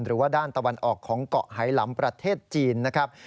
หรือว่าด้านตะวันออกของเกาะไหลำประเทศจีนนะครับ